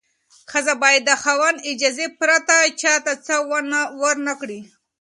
ښځه باید د خاوند اجازې پرته چا ته څه ورنکړي.